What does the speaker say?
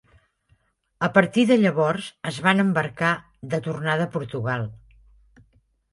A partir de llavors, es van embarcar de tornada a Portugal.